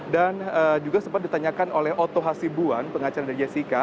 dan juga sempat ditanyakan oleh otto hasibuan pengacara dari jessica